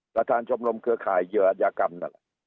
ประธานชมรมเครือข่ายเยอะอัตยากรรมนั่น